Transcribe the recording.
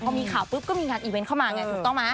พอมีข่าวปุ๊บก็มีงานอีเวนต์เข้ามาไงถูกต้องไหม